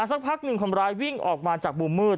สักพักหนึ่งคนร้ายวิ่งออกมาจากมุมมืด